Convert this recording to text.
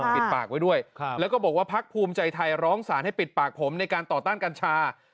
ปิดปากไว้ด้วยแล้วก็บอกว่าพักภูมิใจไทยร้องสารให้ปิดปากผมในการต่อต้านกัญชา